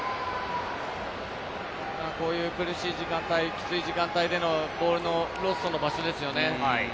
こういう苦しい時間帯、きつい時間帯でのボールのクロスの場所ですよね。